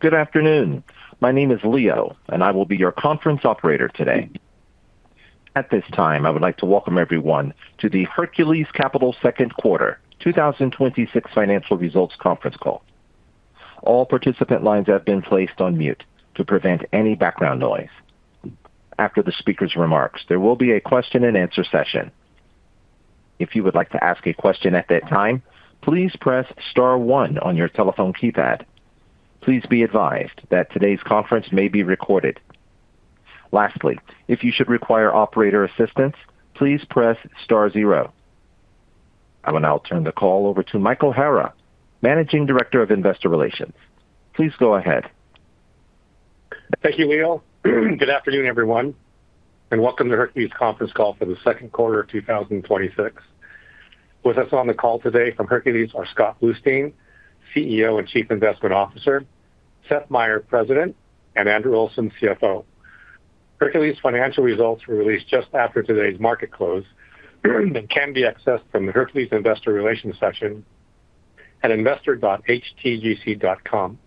Good afternoon. My name is Leo, and I will be your conference operator today. At this time, I would like to welcome everyone to the Hercules Capital Second Quarter 2026 Financial Results Conference Call. All participant lines have been placed on mute to prevent any background noise. After the speaker's remarks, there will be a question and answer session. If you would like to ask a question at that time, please press star one on your telephone keypad. Please be advised that today's conference may be recorded. Lastly, if you should require operator assistance, please press star zero. I will now turn the call over to Michael Hara, Managing Director of Investor Relations. Please go ahead. Thank you, Leo. Good afternoon, everyone, and welcome to the Hercules conference call for the second quarter of 2026. With us on the call today from Hercules are Scott Bluestein, CEO and Chief Investment Officer, Seth Meyer, President, and Andrew Olson, CFO. Hercules financial results were released just after today's market close and can be accessed from the Hercules Investor Relations section at investor.htgc.com.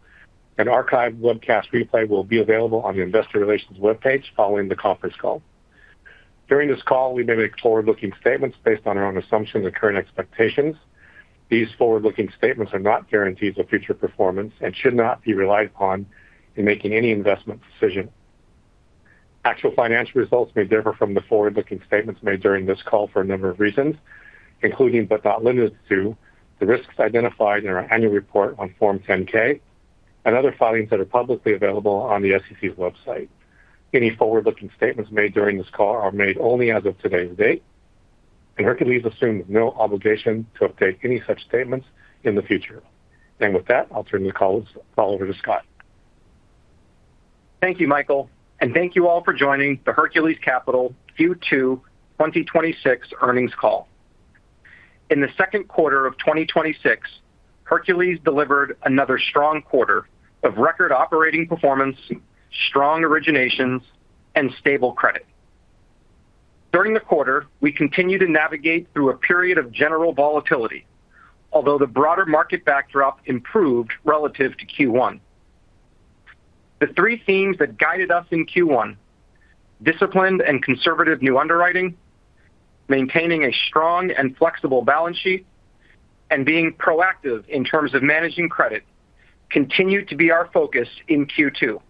An archive webcast replay will be available on the investor relations webpage following the conference call. During this call, we may make forward-looking statements based on our own assumptions and current expectations. These forward-looking statements are not guarantees of future performance and should not be relied upon in making any investment decision. Actual financial results may differ from the forward-looking statements made during this call for a number of reasons, including but not limited to, the risks identified in our annual report on Form 10-K and other filings that are publicly available on the SEC's website. Any forward-looking statements made during this call are made only as of today's date, and Hercules assumes no obligation to update any such statements in the future. With that, I'll turn the call over to Scott. Thank you, Michael, and thank you all for joining the Hercules Capital Q2 2026 earnings call. In the second quarter of 2026, Hercules delivered another strong quarter of record operating performance, strong originations, and stable credit. During the quarter, we continued to navigate through a period of general volatility, although the broader market backdrop improved relative to Q1. The three themes that guided us in Q1, disciplined and conservative new underwriting, maintaining a strong and flexible balance sheet, and being proactive in terms of managing credit, continued to be our focus in Q2.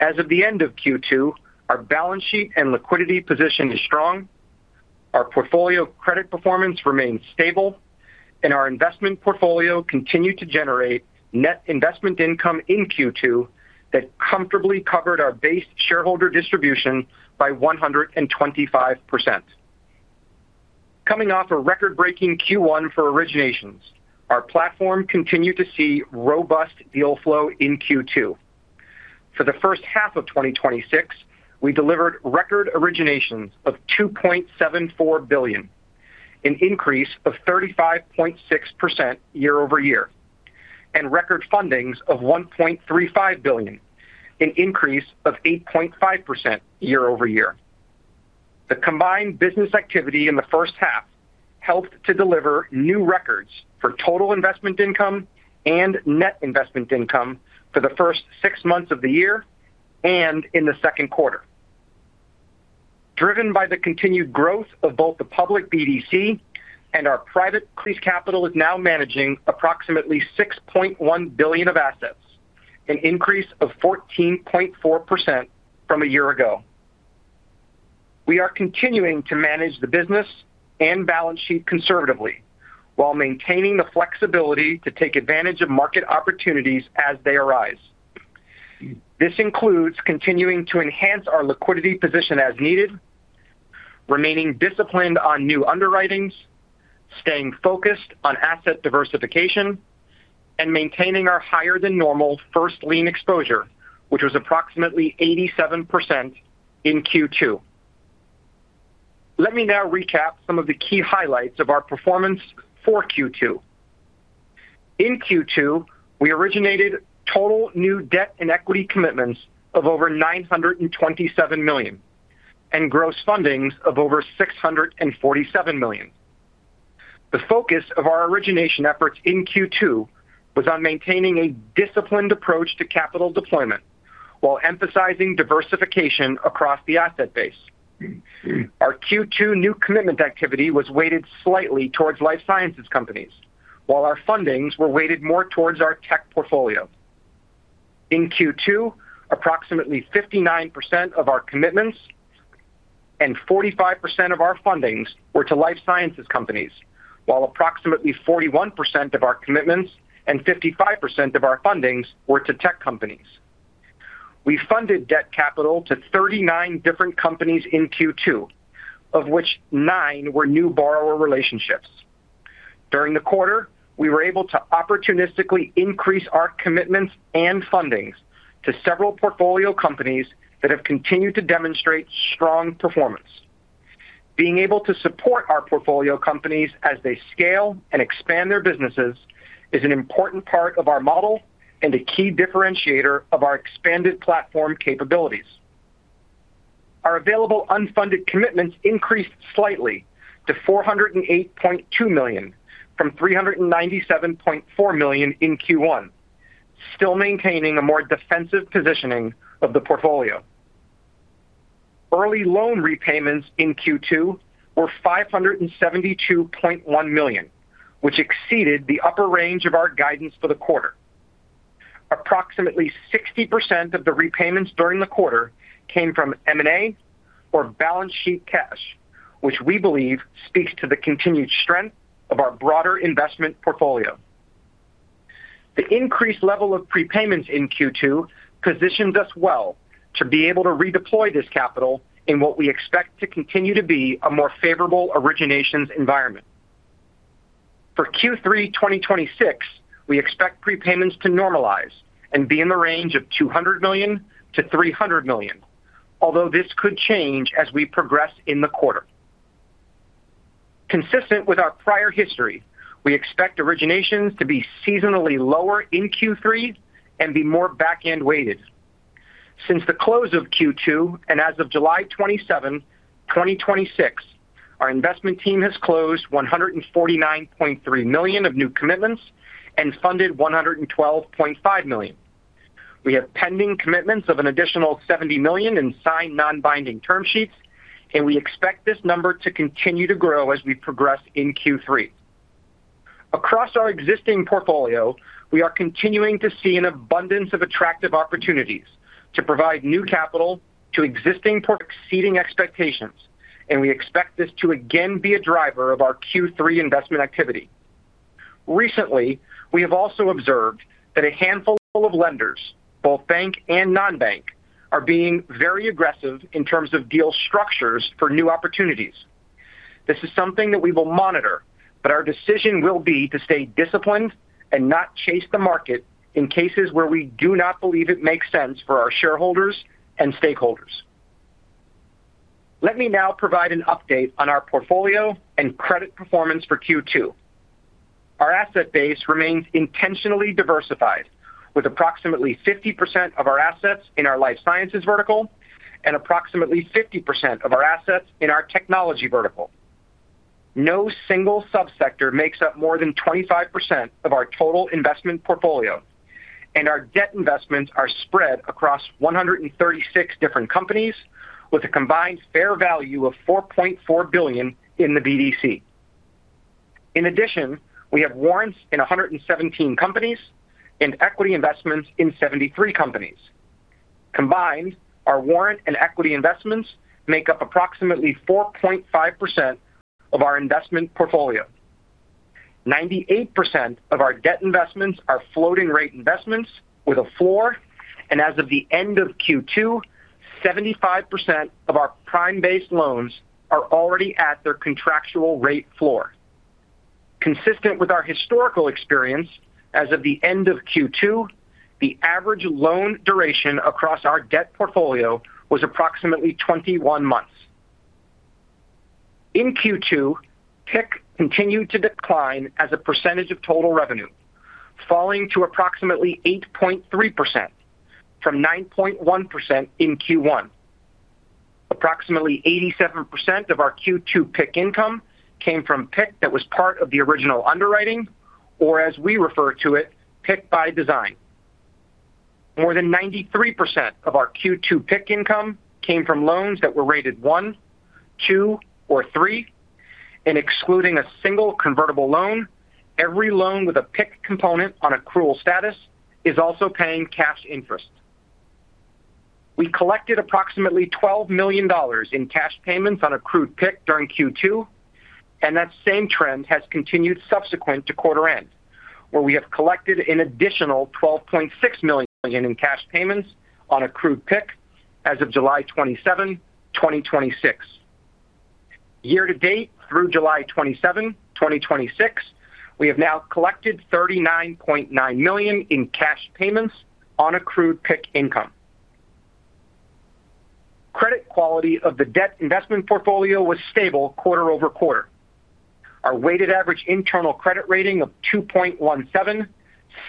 As of the end of Q2, our balance sheet and liquidity position is strong, our portfolio credit performance remains stable, and our investment portfolio continued to generate net investment income in Q2 that comfortably covered our base shareholder distribution by 125%. Coming off a record-breaking Q1 for originations, our platform continued to see robust deal flow in Q2. For the first half of 2026, we delivered record originations of $2.74 billion, an increase of 35.6% year-over-year, and record fundings of $1.35 billion, an increase of 8.5% year-over-year. The combined business activity in the first half helped to deliver new records for total investment income and net investment income for the first six months of the year and in the second quarter. Driven by the continued growth of both the public BDC and our private capital is now managing approximately $6.1 billion of assets, an increase of 14.4% from a year ago. We are continuing to manage the business and balance sheet conservatively while maintaining the flexibility to take advantage of market opportunities as they arise. This includes continuing to enhance our liquidity position as needed, remaining disciplined on new underwritings, staying focused on asset diversification, and maintaining our higher than normal first lien exposure, which was approximately 87% in Q2. Let me now recap some of the key highlights of our performance for Q2. In Q2, we originated total new debt and equity commitments of over $927 million and gross fundings of over $647 million. The focus of our origination efforts in Q2 was on maintaining a disciplined approach to capital deployment while emphasizing diversification across the asset base. Our Q2 new commitment activity was weighted slightly towards life sciences companies, while our fundings were weighted more towards our tech portfolio. In Q2, approximately 59% of our commitments and 45% of our fundings were to life sciences companies, while approximately 41% of our commitments and 55% of our fundings were to tech companies. We funded debt capital to 39 different companies in Q2, of which nine were new borrower relationships. During the quarter, we were able to opportunistically increase our commitments and fundings to several portfolio companies that have continued to demonstrate strong performance. Being able to support our portfolio companies as they scale and expand their businesses is an important part of our model and a key differentiator of our expanded platform capabilities. Our available unfunded commitments increased slightly to $408.2 million from $397.4 million in Q1, still maintaining a more defensive positioning of the portfolio. Early loan repayments in Q2 were $572.1 million, which exceeded the upper range of our guidance for the quarter. Approximately 60% of the repayments during the quarter came from M&A or balance sheet cash, which we believe speaks to the continued strength of our broader investment portfolio. The increased level of prepayments in Q2 positions us well to be able to redeploy this capital in what we expect to continue to be a more favorable originations environment. For Q3 2026, we expect prepayments to normalize and be in the range of $200 million-$300 million, although this could change as we progress in the quarter. Consistent with our prior history, we expect originations to be seasonally lower in Q3 and be more back-end weighted. Since the close of Q2, and as of July 27, 2026, our investment team has closed $149.3 million of new commitments and funded $112.5 million. We have pending commitments of an additional $70 million in signed non-binding term sheets, and we expect this number to continue to grow as we progress in Q3. Across our existing portfolio, we are continuing to see an abundance of attractive opportunities to provide new capital to existing exceeding expectations. We expect this to again be a driver of our Q3 investment activity. Recently, we have also observed that a handful of lenders, both bank and non-bank, are being very aggressive in terms of deal structures for new opportunities. This is something that we will monitor, but our decision will be to stay disciplined and not chase the market in cases where we do not believe it makes sense for our shareholders and stakeholders. Let me now provide an update on our portfolio and credit performance for Q2. Our asset base remains intentionally diversified with approximately 50% of our assets in our life sciences vertical and approximately 50% of our assets in our technology vertical. No single sub-sector makes up more than 25% of our total investment portfolio. Our debt investments are spread across 136 different companies with a combined fair value of $4.4 billion in the BDC. In addition, we have warrants in 117 companies and equity investments in 73 companies. Combined, our warrant and equity investments make up approximately 4.5% of our investment portfolio. 98% of our debt investments are floating rate investments with a floor, and as of the end of Q2, 75% of our prime based loans are already at their contractual rate floor. Consistent with our historical experience as of the end of Q2, the average loan duration across our debt portfolio was approximately 21 months. In Q2, PIK continued to decline as a percentage of total revenue, falling to approximately 8.3% from 9.1% in Q1. Approximately 87% of our Q2 PIK income came from PIK that was part of the original underwriting, or as we refer to it, PIK by design. More than 93% of our Q2 PIK income came from loans that were rated one, two, or three. Excluding a single convertible loan, every loan with a PIK component on accrual status is also paying cash interest. We collected approximately $12 million in cash payments on accrued PIK during Q2. That same trend has continued subsequent to quarter end, where we have collected an additional $12.6 million in cash payments on accrued PIK as of July 27, 2026. Year to date through July 27, 2026, we have now collected $39.9 million in cash payments on accrued PIK income. Credit quality of the debt investment portfolio was stable quarter-over-quarter. Our weighted average internal credit rating of 2.17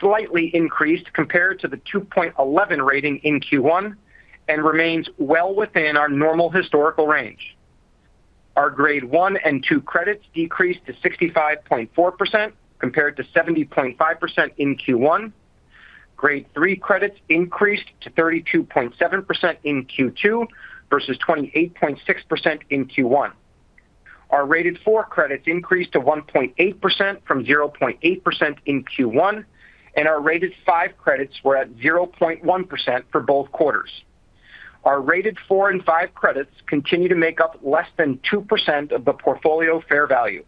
slightly increased compared to the 2.11 rating in Q1 and remains well within our normal historical range. Our grade 1 and 2 credits decreased to 65.4% compared to 70.5% in Q1. Grade 3 credits increased to 32.7% in Q2 versus 28.6% in Q1. Our rated 4 credits increased to 1.8% from 0.8% in Q1, and our rated 5 credits were at 0.1% for both quarters. Our rated 4 and 5 credits continue to make up less than 2% of the portfolio fair value.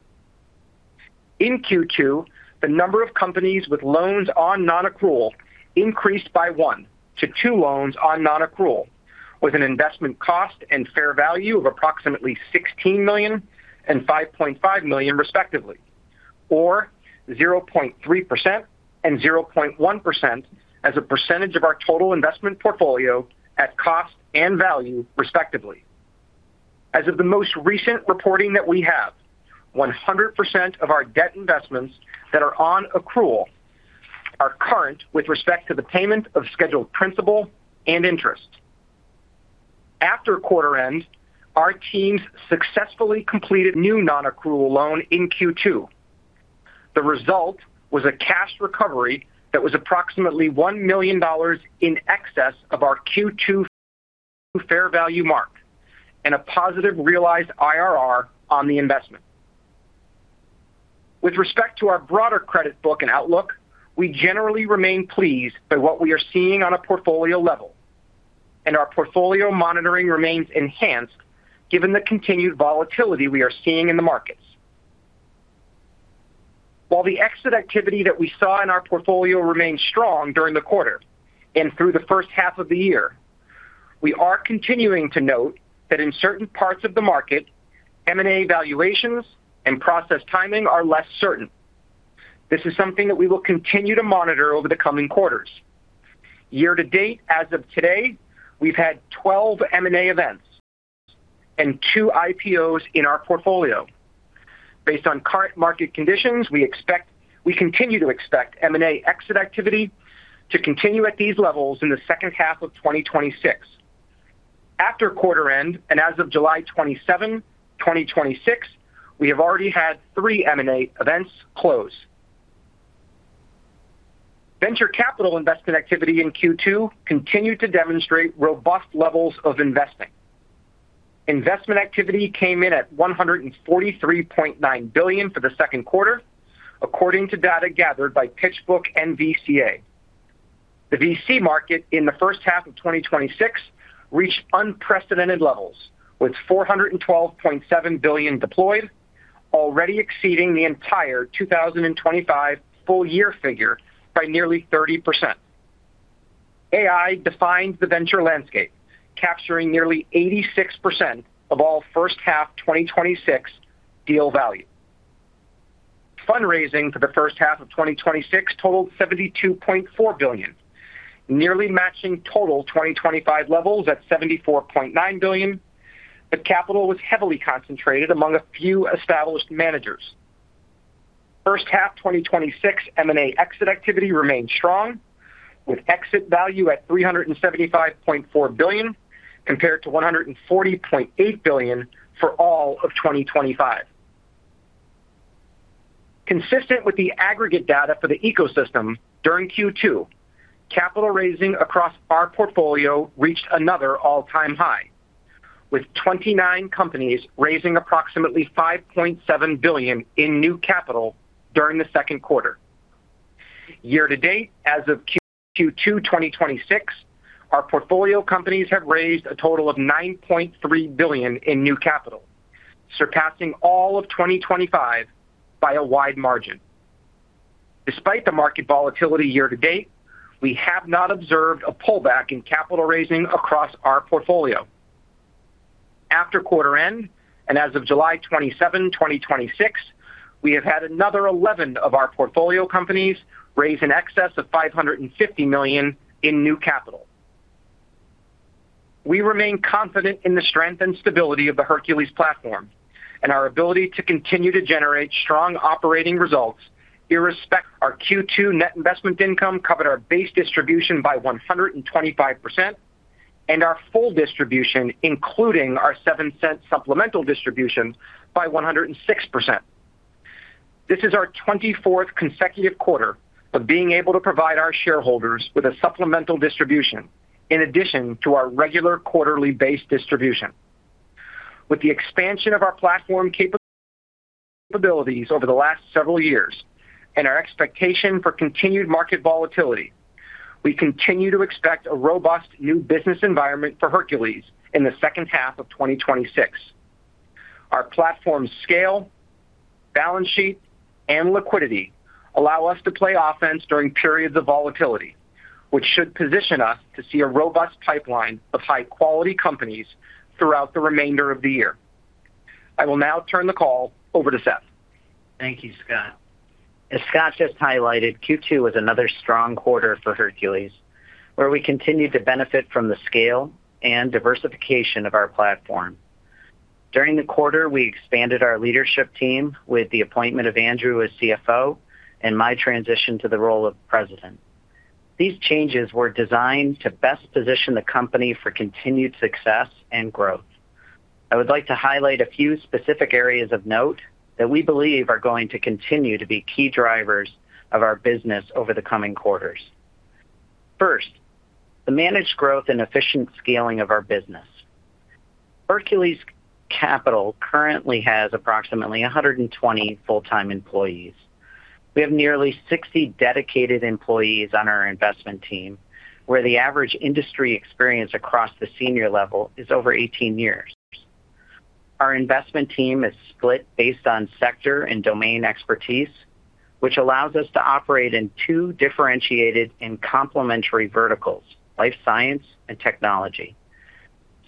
In Q2, the number of companies with loans on non-accrual increased by one to two loans on non-accrual with an investment cost and fair value of approximately $16 million and $5.5 million respectively, or 0.3% and 0.1% as a percentage of our total investment portfolio at cost and value, respectively. As of the most recent reporting that we have, 100% of our debt investments that are on accrual are current with respect to the payment of scheduled principal and interest. After quarter end, our teams successfully completed new non-accrual loan in Q2. The result was a cash recovery that was approximately $1 million in excess of our Q2 fair value mark, and a positive realized IRR on the investment. With respect to our broader credit book and outlook, we generally remain pleased by what we are seeing on a portfolio level. Our portfolio monitoring remains enhanced given the continued volatility we are seeing in the markets. While the exit activity that we saw in our portfolio remained strong during the quarter and through the first half of the year, we are continuing to note that in certain parts of the market, M&A valuations and process timing are less certain. This is something that we will continue to monitor over the coming quarters. Year to date, as of today, we've had 12 M&A events and two IPOs in our portfolio. Based on current market conditions, we continue to expect M&A exit activity to continue at these levels in the second half of 2026. After quarter end, and as of July 27, 2026, we have already had three M&A events close. Venture capital investment activity in Q2 continued to demonstrate robust levels of investing. Investment activity came in at $143.9 billion for the second quarter, according to data gathered by PitchBook NVCA. The VC market in the first half of 2026 reached unprecedented levels, with $412.7 billion deployed, already exceeding the entire 2025 full year figure by nearly 30%. AI defines the venture landscape, capturing nearly 86% of all first half 2026 deal value. Fundraising for the first half of 2026 totaled $72.4 billion, nearly matching total 2025 levels at $74.9 billion. Capital was heavily concentrated among a few established managers. First half 2026 M&A exit activity remained strong, with exit value at $375.4 billion, compared to $140.8 billion for all of 2025. Consistent with the aggregate data for the ecosystem, during Q2, capital raising across our portfolio reached another all-time high, with 29 companies raising approximately $5.7 billion in new capital during the second quarter. Year to date, as of Q2 2026, our portfolio companies have raised a total of $9.3 billion in new capital, surpassing all of 2025 by a wide margin. Despite the market volatility year to date, we have not observed a pullback in capital raising across our portfolio. After quarter end, and as of July 27, 2026, we have had another 11 of our portfolio companies raise in excess of $550 million in new capital. We remain confident in the strength and stability of the Hercules platform and our ability to continue to generate strong operating results irrespective. Our Q2 net investment income covered our base distribution by 125%, and our full distribution, including our $0.07 supplemental distribution by 106%. This is our 24th consecutive quarter of being able to provide our shareholders with a supplemental distribution in addition to our regular quarterly base distribution. With the expansion of our platform capabilities over the last several years and our expectation for continued market volatility, we continue to expect a robust new business environment for Hercules in the second half of 2026. Our platform scale, balance sheet, and liquidity allow us to play offense during periods of volatility, which should position us to see a robust pipeline of high-quality companies throughout the remainder of the year. I will now turn the call over to Seth. Thank you, Scott. As Scott just highlighted, Q2 was another strong quarter for Hercules, where we continued to benefit from the scale and diversification of our platform. During the quarter, we expanded our leadership team with the appointment of Andrew as CFO and my transition to the role of President. These changes were designed to best position the company for continued success and growth. I would like to highlight a few specific areas of note that we believe are going to continue to be key drivers of our business over the coming quarters. First, the managed growth and efficient scaling of our business. Hercules Capital currently has approximately 120 full-time employees. We have nearly 60 dedicated employees on our investment team, where the average industry experience across the senior level is over 18 years. Our investment team is split based on sector and domain expertise, which allows us to operate in two differentiated and complementary verticals, life science and technology.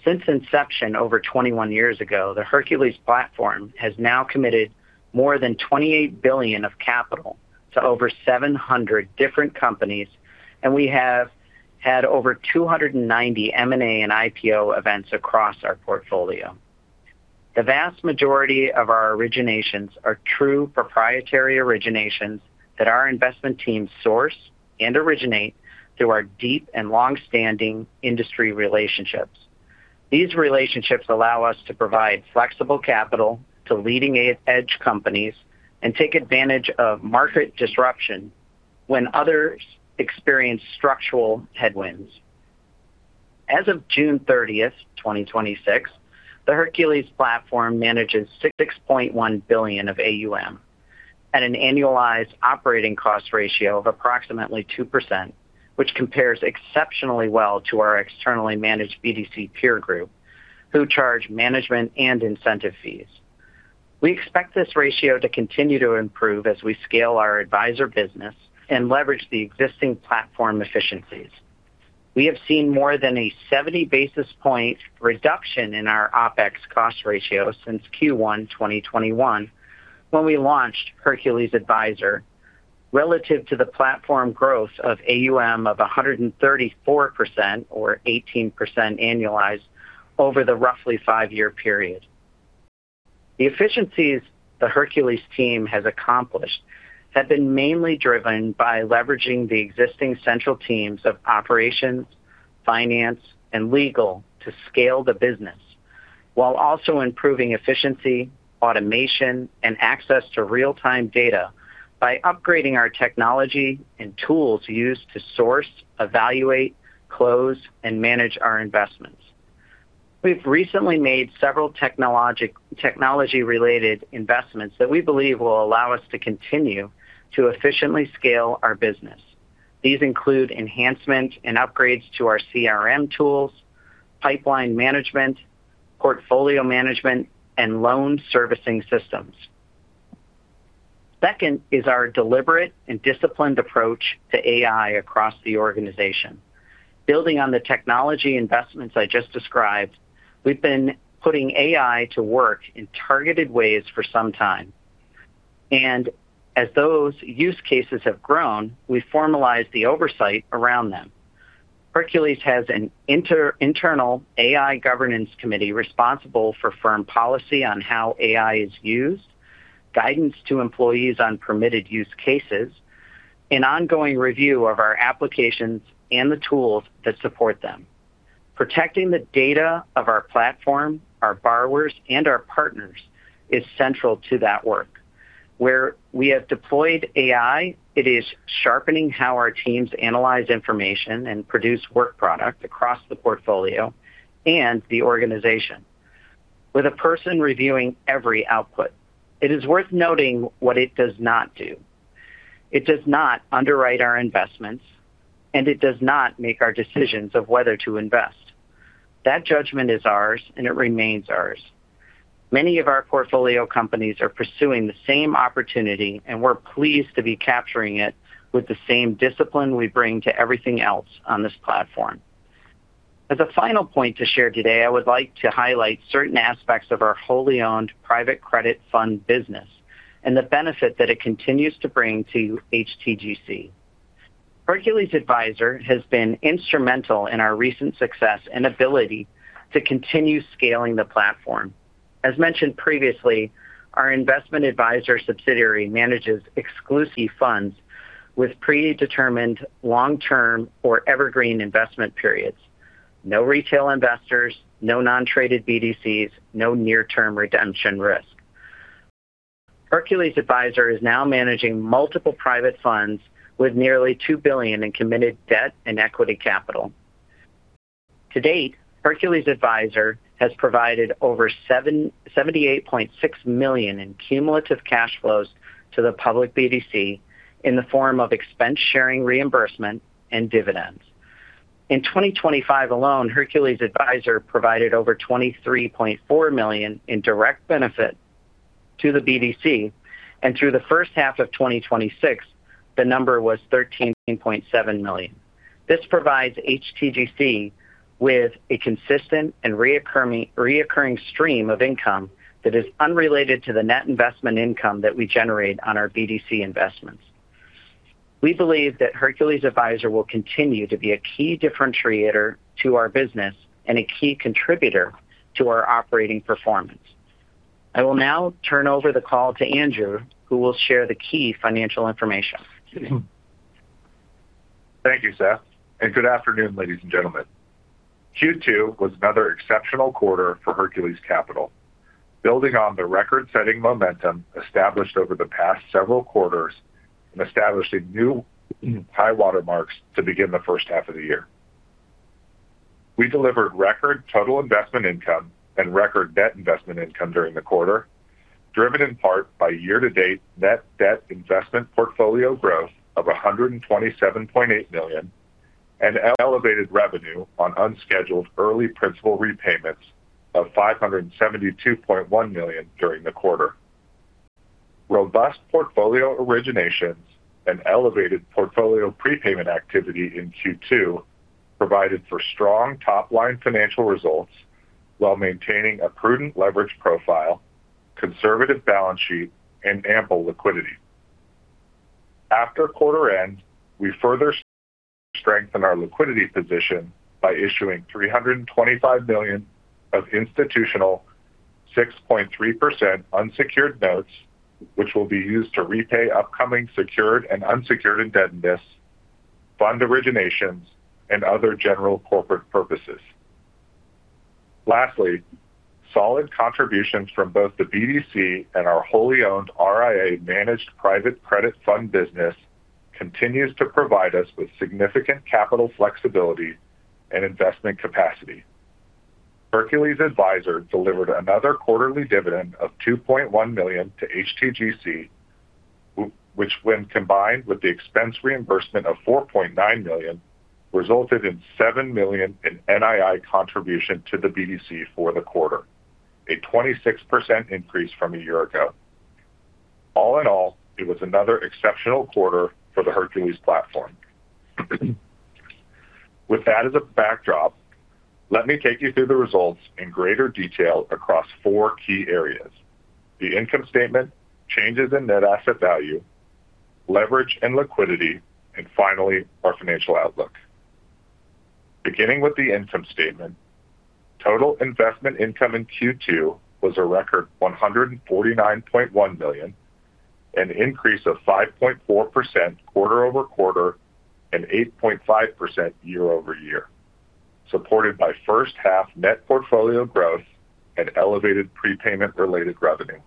Since inception over 21 years ago, the Hercules platform has now committed more than $28 billion of capital to over 700 different companies, and we have had over 290 M&A and IPO events across our portfolio. The vast majority of our originations are true proprietary originations that our investment teams source and originate through our deep and longstanding industry relationships. These relationships allow us to provide flexible capital to leading-edge companies and take advantage of market disruption when others experience structural headwinds. As of June 30th, 2026, the Hercules platform manages $6.1 billion of AUM at an annualized operating cost ratio of approximately 2%, which compares exceptionally well to our externally managed BDC peer group, who charge management and incentive fees. We expect this ratio to continue to improve as we scale our Adviser business and leverage the existing platform efficiencies. We have seen more than a 70-basis-point reduction in our OpEx cost ratio since Q1 2021, when we launched Hercules Adviser, relative to the platform growth of AUM of 134%, or 18% annualized over the roughly five-year period. The efficiencies the Hercules team has accomplished have been mainly driven by leveraging the existing central teams of operations, finance, and legal to scale the business, while also improving efficiency, automation, and access to real-time data by upgrading our technology and tools used to source, evaluate, close, and manage our investments. We've recently made several technology-related investments that we believe will allow us to continue to efficiently scale our business. These include enhancements and upgrades to our CRM tools, pipeline management, portfolio management, and loan servicing systems. Second is our deliberate and disciplined approach to AI across the organization. Building on the technology investments I just described, we've been putting AI to work in targeted ways for some time. As those use cases have grown, we formalize the oversight around them. Hercules Capital has an internal AI governance committee responsible for firm policy on how AI is used, guidance to employees on permitted use cases, and ongoing review of our applications and the tools that support them. Protecting the data of our platform, our borrowers, and our partners is central to that work. Where we have deployed AI, it is sharpening how our teams analyze information and produce work product across the portfolio and the organization, with a person reviewing every output. It is worth noting what it does not do. It does not underwrite our investments. It does not make our decisions of whether to invest. That judgment is ours and it remains ours. Many of our portfolio companies are pursuing the same opportunity. We're pleased to be capturing it with the same discipline we bring to everything else on this platform. As a final point to share today, I would like to highlight certain aspects of our wholly owned private credit fund business and the benefit that it continues to bring to HTGC. Hercules Adviser has been instrumental in our recent success and ability to continue scaling the platform. As mentioned previously, our investment adviser subsidiary manages exclusive funds with predetermined long-term or evergreen investment periods. No retail investors, no non-traded BDCs, no near-term redemption risk. Hercules Adviser is now managing multiple private funds with nearly $2 billion in committed debt and equity capital. To date, Hercules Adviser has provided over $78.6 million in cumulative cash flows to the public BDC in the form of expense-sharing reimbursement and dividends. In 2025 alone, Hercules Adviser provided over $23.4 million in direct benefit to the BDC. Through the first half of 2026, the number was $13.7 million. This provides HTGC with a consistent and reoccurring stream of income that is unrelated to the net investment income that we generate on our BDC investments. We believe that Hercules Adviser will continue to be a key differentiator to our business and a key contributor to our operating performance. I will now turn over the call to Andrew, who will share the key financial information. Thank you, Seth. Good afternoon, ladies and gentlemen. Q2 was another exceptional quarter for Hercules Capital, building on the record-setting momentum established over the past several quarters and establishing new high water marks to begin the first half of the year. We delivered record total investment income and record debt investment income during the quarter, driven in part by year-to-date net debt investment portfolio growth of $127.8 million, and elevated revenue on unscheduled early principal repayments of $572.1 million during the quarter. Robust portfolio originations and elevated portfolio prepayment activity in Q2 provided for strong top-line financial results while maintaining a prudent leverage profile, conservative balance sheet, and ample liquidity. After quarter end, we further strengthened our liquidity position by issuing $325 million of institutional 6.3% unsecured notes, which will be used to repay upcoming secured and unsecured indebtedness, fund originations, and other general corporate purposes. Lastly, solid contributions from both the BDC and our wholly owned RIA managed private credit fund business continues to provide us with significant capital flexibility and investment capacity. Hercules Adviser delivered another quarterly dividend of $2.1 million to HTGC, which when combined with the expense reimbursement of $4.9 million, resulted in $7 million in NII contribution to the BDC for the quarter, a 26% increase from a year ago. All in all, it was another exceptional quarter for the Hercules platform. With that as a backdrop, let me take you through the results in greater detail across four key areas. The income statement, changes in net asset value, leverage and liquidity, and finally, our financial outlook. Beginning with the income statement, total investment income in Q2 was a record $149.1 million, an increase of 5.4% quarter-over-quarter and 8.5% year-over-year, supported by first half net portfolio growth and elevated prepayment-related revenue.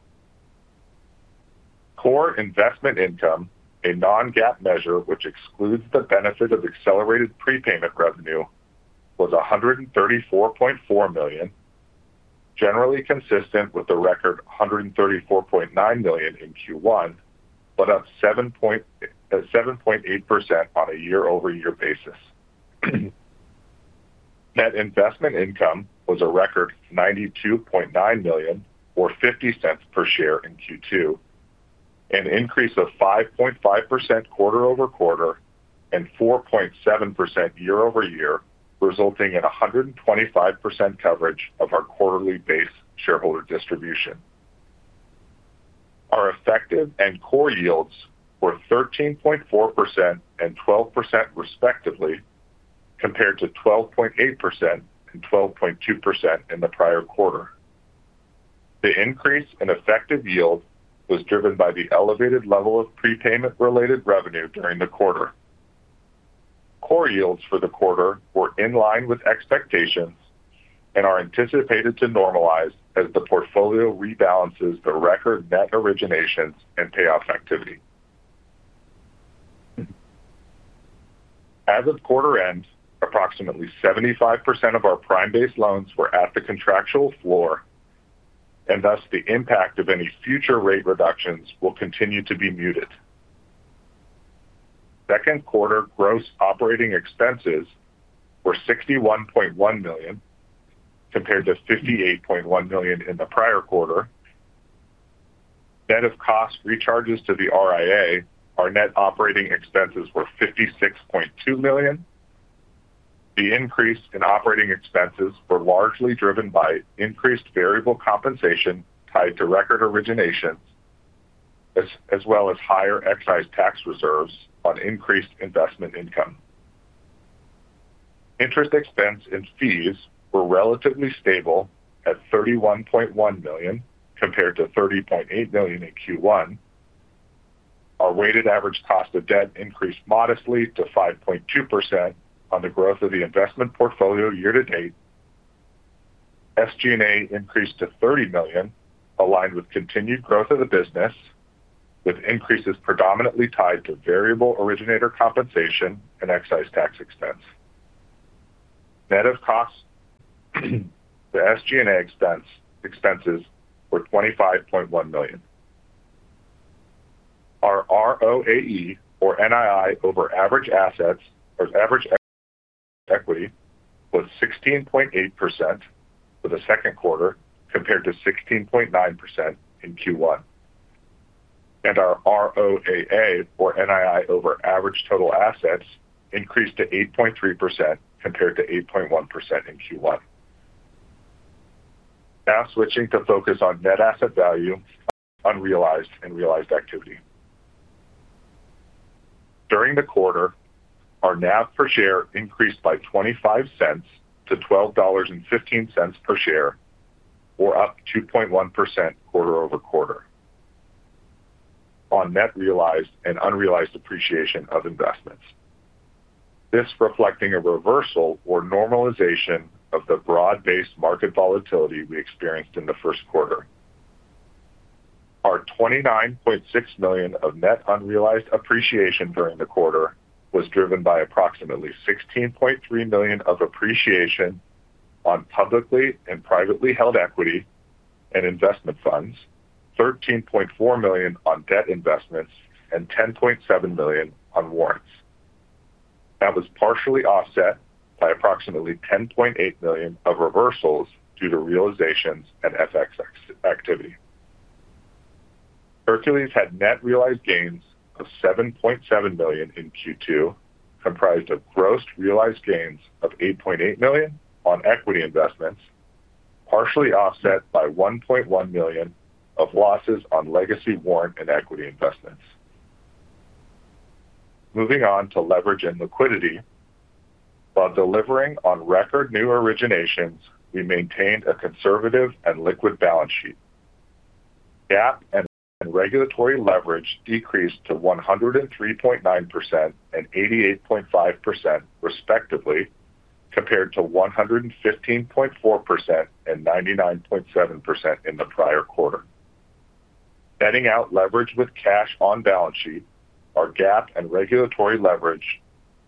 Core investment income, a non-GAAP measure which excludes the benefit of accelerated prepayment revenue, was $134.4 million, generally consistent with the record $134.9 million in Q1, but up 7.8% on a year-over-year basis. Net investment income was a record $92.9 million or $0.50 per share in Q2, an increase of 5.5% quarter-over-quarter and 4.7% year-over-year, resulting in 125% coverage of our quarterly base shareholder distribution. Our effective and core yields were 13.4% and 12% respectively, compared to 12.8% and 12.2% in the prior quarter. The increase in effective yield was driven by the elevated level of prepayment-related revenue during the quarter. Core yields for the quarter were in line with expectations and are anticipated to normalize as the portfolio rebalances the record net originations and payoff activity. As of quarter end, approximately 75% of our prime-based loans were at the contractual floor, and thus the impact of any future rate reductions will continue to be muted. Second quarter gross operating expenses were $61.1 million, compared to $58.1 million in the prior quarter. Net of cost recharges to the RIA, our net operating expenses were $56.2 million. The increase in operating expenses were largely driven by increased variable compensation tied to record originations, as well as higher excise tax reserves on increased investment income. Interest expense and fees were relatively stable at $31.1 million, compared to $30.8 million in Q1. Our weighted average cost of debt increased modestly to 5.2% on the growth of the investment portfolio year to date. SG&A increased to $30 million, aligned with continued growth of the business, with increases predominantly tied to variable originator compensation and excise tax expense. Net of cost to SG&A expenses were $25.1 million. Our ROAE or NII over average assets or average equity was 16.8% for the second quarter compared to 16.9% in Q1. Our ROAA or NII over average total assets increased to 8.3% compared to 8.1% in Q1. Now switching to focus on net asset value, unrealized and realized activity. During the quarter, our NAV per share increased by $0.25 to $12.15 per share, or up 2.1% quarter-over-quarter on net realized and unrealized appreciation of investments. This reflecting a reversal or normalization of the broad-based market volatility we experienced in the first quarter. Our $29.6 million of net unrealized appreciation during the quarter was driven by approximately $16.3 million of appreciation on publicly and privately held equity and investment funds, $13.4 million on debt investments, and $10.7 million on warrants. That was partially offset by approximately $10.8 million of reversals due to realizations and FX activity. Hercules had net realized gains of $7.7 million in Q2, comprised of gross realized gains of $8.8 million on equity investments. Partially offset by $1.1 million of losses on legacy warrant and equity investments. Moving on to leverage and liquidity. While delivering on record new originations, we maintained a conservative and liquid balance sheet. GAAP and regulatory leverage decreased to 103.9% and 88.5%, respectively, compared to 115.4% and 99.7% in the prior quarter. Netting out leverage with cash on balance sheet, our GAAP and regulatory leverage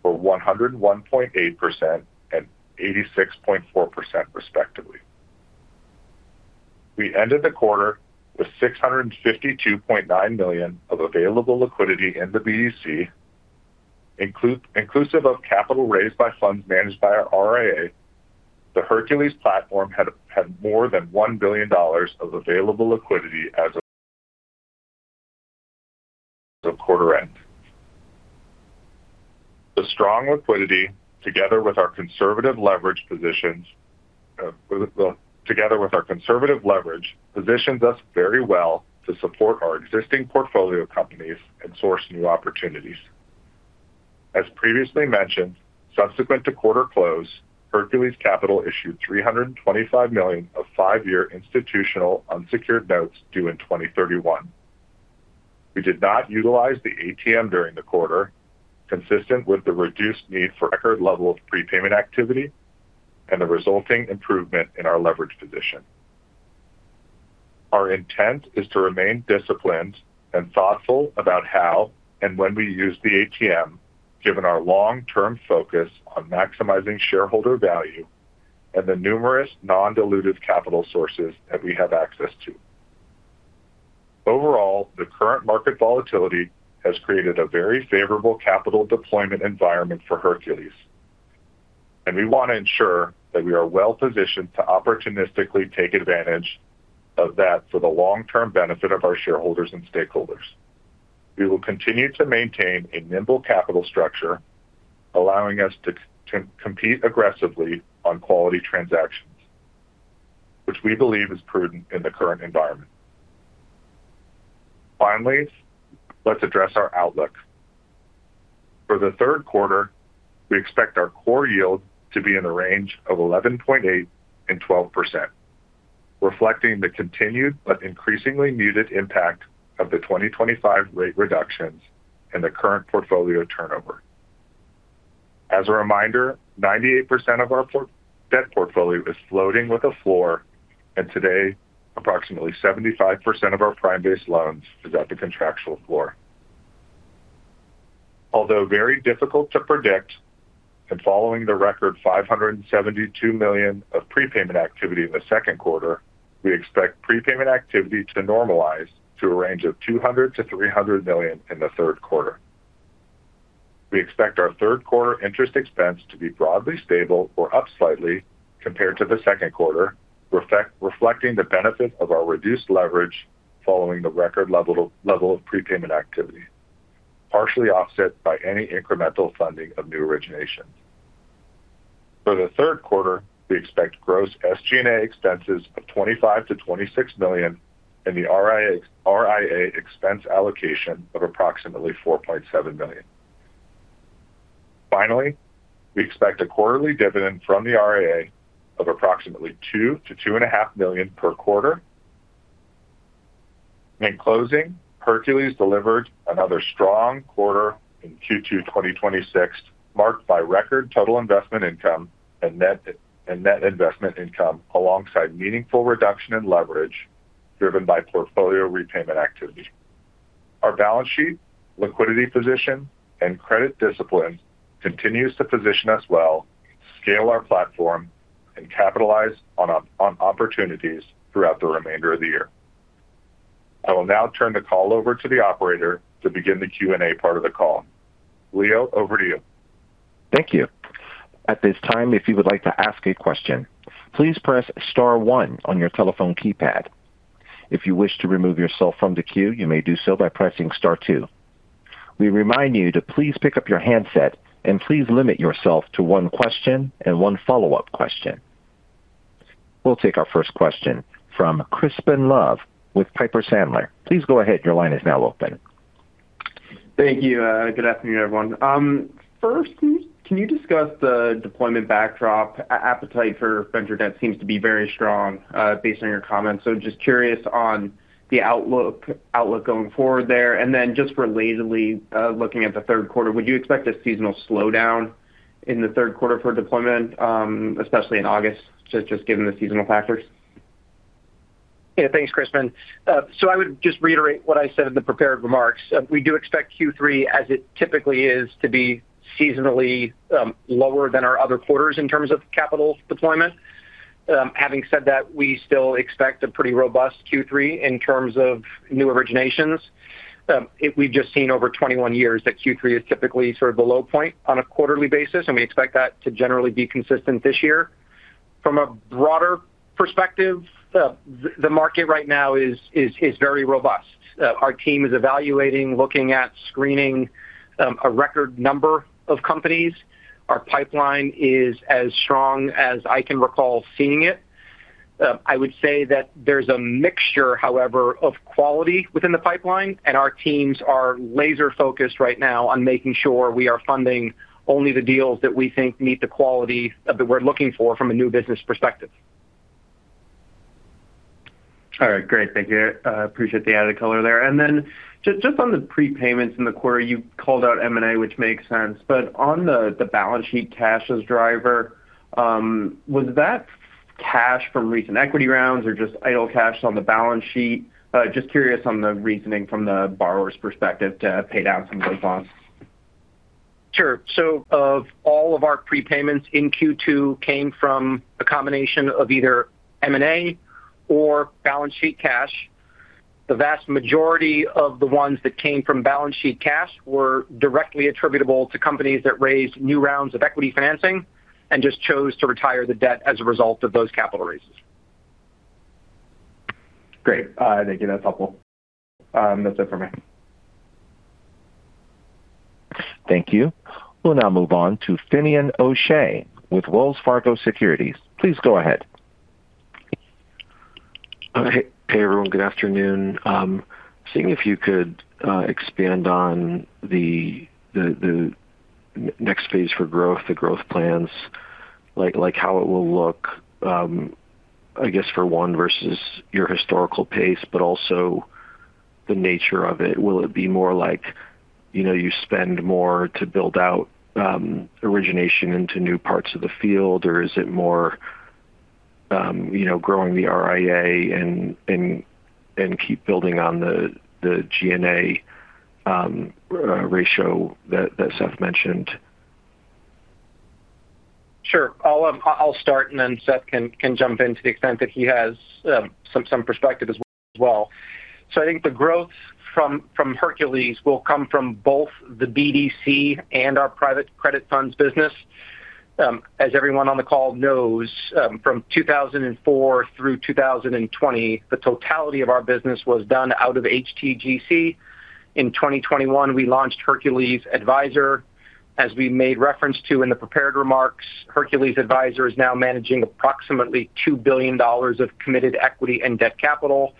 were 101.8% and 86.4%, respectively. We ended the quarter with $652.9 million of available liquidity in the BDC. Inclusive of capital raised by funds managed by our RIA, the Hercules platform had more than $1 billion of available liquidity as of quarter end. As previously mentioned, subsequent to quarter close, Hercules Capital issued $325 million of five-year institutional unsecured notes due in 2031. We did not utilize the ATM during the quarter, consistent with the reduced need for record level of prepayment activity and the resulting improvement in our leverage position. Our intent is to remain disciplined and thoughtful about how and when we use the ATM, given our long-term focus on maximizing shareholder value and the numerous non-dilutive capital sources that we have access to. Overall, the current market volatility has created a very favorable capital deployment environment for Hercules, and we want to ensure that we are well-positioned to opportunistically take advantage of that for the long-term benefit of our shareholders and stakeholders. We will continue to maintain a nimble capital structure, allowing us to compete aggressively on quality transactions, which we believe is prudent in the current environment. Finally, let's address our outlook. For the third quarter, we expect our core yield to be in the range of 11.8%-12%, reflecting the continued but increasingly muted impact of the 2025 rate reductions and the current portfolio turnover. As a reminder, 98% of our debt portfolio is floating with a floor, and today, approximately 75% of our prime-based loans is at the contractual floor. Although very difficult to predict, following the record $572 million of prepayment activity in the second quarter, we expect prepayment activity to normalize to a range of $200 million-$300 million in the third quarter. We expect our third quarter interest expense to be broadly stable or up slightly compared to the second quarter, reflecting the benefit of our reduced leverage following the record level of prepayment activity, partially offset by any incremental funding of new originations. For the third quarter, we expect gross SG&A expenses of $25 million-$26 million and the RIA expense allocation of approximately $4.7 million. Finally, we expect a quarterly dividend from the RIA of approximately two to two and a half million per quarter. In closing, Hercules delivered another strong quarter in Q2 2026, marked by record total investment income and net investment income alongside meaningful reduction in leverage driven by portfolio repayment activity. Our balance sheet, liquidity position, and credit discipline continues to position us well, scale our platform, and capitalize on opportunities throughout the remainder of the year. I will now turn the call over to the operator to begin the Q&A part of the call. Leo, over to you. We will take our first question from Crispin Love with Piper Sandler. Please go ahead. Your line is now open. Thank you. Good afternoon, everyone. First, can you discuss the deployment backdrop? Appetite for venture debt seems to be very strong, based on your comments. Just curious on the outlook going forward there. Then just relatedly, looking at the third quarter, would you expect a seasonal slowdown in the third quarter for deployment, especially in August, just given the seasonal factors? Yeah. Thanks, Crispin. I would just reiterate what I said in the prepared remarks. We do expect Q3, as it typically is, to be seasonally lower than our other quarters in terms of capital deployment. Having said that, we still expect a pretty robust Q3 in terms of new originations. We have just seen over 21 years that Q3 is typically sort of the low point on a quarterly basis, and we expect that to generally be consistent this year. From a broader perspective, the market right now is very robust. Our team is evaluating, looking at screening a record number of companies Our pipeline is as strong as I can recall seeing it. I would say that there's a mixture, however, of quality within the pipeline, and our teams are laser-focused right now on making sure we are funding only the deals that we think meet the quality that we're looking for from a new business perspective. All right, great. Thank you. I appreciate the added color there. Just on the prepayments in the quarter, you called out M&A, which makes sense. On the balance sheet cash as driver, was that cash from recent equity rounds or just idle cash on the balance sheet? Just curious on the reasoning from the borrower's perspective to pay down some of those loans. Sure. Of all of our prepayments in Q2 came from a combination of either M&A or balance sheet cash. The vast majority of the ones that came from balance sheet cash were directly attributable to companies that raised new rounds of equity financing and just chose to retire the debt as a result of those capital raises. Great. Thank you. That's helpful. That's it for me. Thank you. We'll now move on to Finian O'Shea with Wells Fargo Securities. Please go ahead. Hey, everyone. Good afternoon. I'm seeing if you could expand on the next phase for growth, the growth plans, how it will look, I guess, for one, versus your historical pace, but also the nature of it. Will it be more like you spend more to build out origination into new parts of the field, or is it more growing the RIA and keep building on the SG&A ratio that Seth mentioned? Sure. Then Seth can jump in to the extent that he has some perspective as well. I think the growth from Hercules will come from both the BDC and our private credit funds business. As everyone on the call knows, from 2004 through 2020, the totality of our business was done out of HTGC. In 2021, we launched Hercules Adviser. As we made reference to in the prepared remarks, Hercules Adviser is now managing approximately $2 billion of committed equity and debt capital.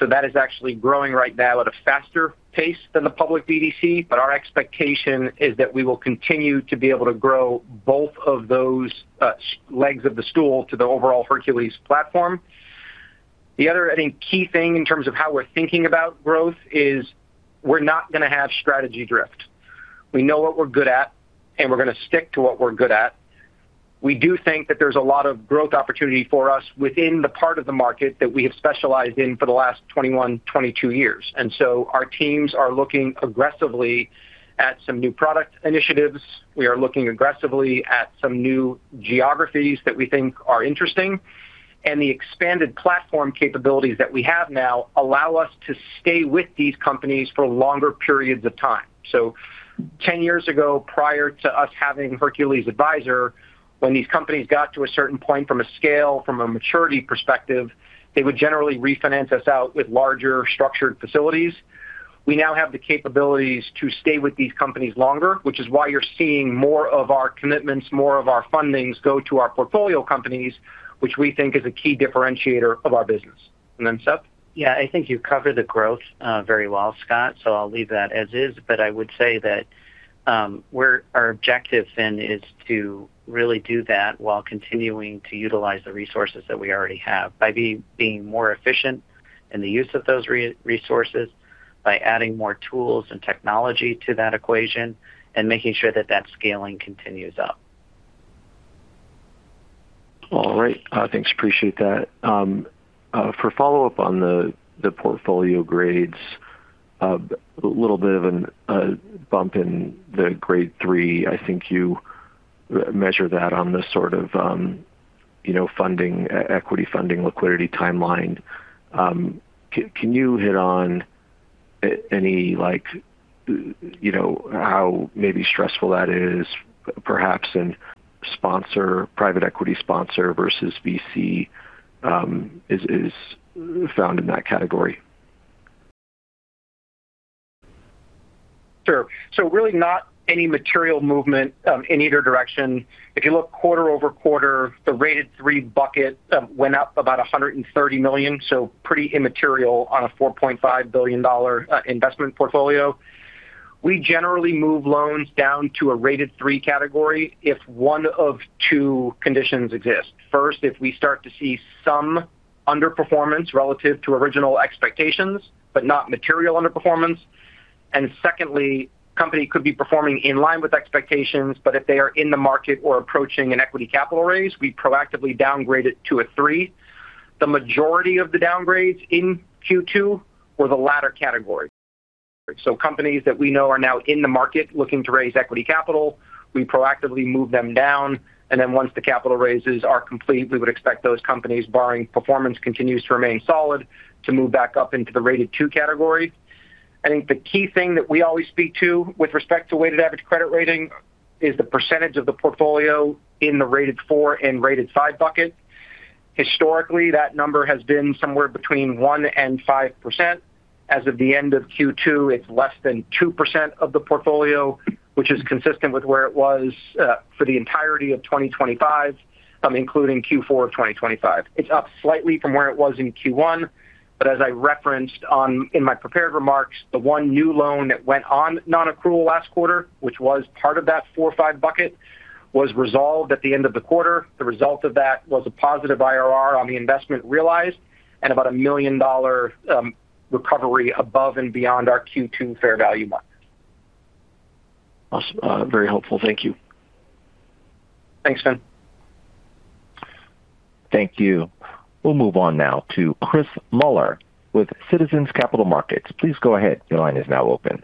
That is actually growing right now at a faster pace than the public BDC. Our expectation is that we will continue to be able to grow both of those legs of the stool to the overall Hercules platform. The other, I think, key thing in terms of how we're thinking about growth is we're not going to have strategy drift. We know what we're good at, and we're going to stick to what we're good at. We do think that there's a lot of growth opportunity for us within the part of the market that we have specialized in for the last 21, 22 years. Our teams are looking aggressively at some new product initiatives. We are looking aggressively at some new geographies that we think are interesting. The expanded platform capabilities that we have now allow us to stay with these companies for longer periods of time. 10 years ago, prior to us having Hercules Adviser, when these companies got to a certain point from a scale, from a maturity perspective, they would generally refinance us out with larger structured facilities. We now have the capabilities to stay with these companies longer, which is why you're seeing more of our commitments, more of our fundings go to our portfolio companies, which we think is a key differentiator of our business. Seth. Yeah, I think you covered the growth very well, Scott, I'll leave that as is. I would say that our objective is to really do that while continuing to utilize the resources that we already have by being more efficient in the use of those resources, by adding more tools and technology to that equation, making sure that that scaling continues up. All right. Thanks. Appreciate that. For follow-up on the portfolio grades, a little bit of a bump in the Grade 3. I think you measure that on the sort of equity funding liquidity timeline. Can you hit on how maybe stressful that is, perhaps, and private equity sponsor versus VC is found in that category? Sure. Really not any material movement in either direction. If you look quarter-over-quarter, the Rated 3 bucket went up about $130 million, pretty immaterial on a $4.5 billion investment portfolio. We generally move loans down to a Rated 3 category if one of two conditions exist. First, if we start to see some underperformance relative to original expectations, not material underperformance. Secondly, company could be performing in line with expectations, if they are in the market or approaching an equity capital raise, we proactively downgrade it to a three. The majority of the downgrades in Q2 were the latter category. Companies that we know are now in the market looking to raise equity capital, we proactively move them down, and then once the capital raises are complete, we would expect those companies, barring performance continues to remain solid, to move back up into the Rated 2 category. I think the key thing that we always speak to with respect to weighted average credit rating is the percentage of the portfolio in the Rated 4 and Rated 5 bucket. Historically, that number has been somewhere between 1% and 5%. As of the end of Q2, it's less than 2% of the portfolio, which is consistent with where it was for the entirety of 2025, including Q4 of 2025. It's up slightly from where it was in Q1, as I referenced in my prepared remarks, the one new loan that went on non-accrual last quarter, which was part of that four or five bucket, was resolved at the end of the quarter. The result of that was a positive IRR on the investment realized, and about a million-dollar recovery above and beyond our Q2 fair value mark. Awesome. Very helpful. Thank you. Thanks, Fin. Thank you. We'll move on now to Chris Muller with Citizens JMP Securities. Please go ahead. Your line is now open.